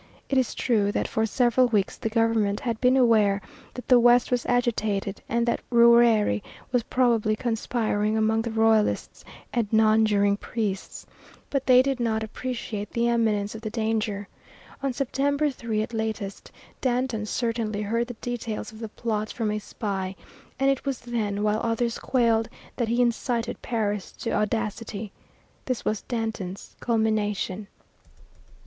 It is true that for several weeks the government had been aware that the West was agitated and that Rouërie was probably conspiring among the Royalists and nonjuring priests, but they did not appreciate the imminence of the danger. On September 3, at latest, Danton certainly heard the details of the plot from a spy, and it was then, while others quailed, that he incited Paris to audacity. This was Danton's culmination.